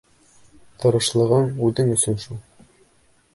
Тырышлығың үҙең өсөн шул.